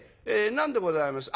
何でございます？